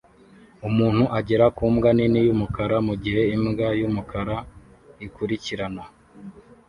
Umuntu agera ku mbwa nini yumukara mugihe imbwa yumukara ikurikirana